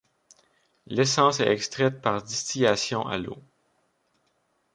L'essence est extraite par distillation à l'eau.